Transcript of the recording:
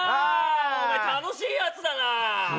おまえ楽しいやつだな。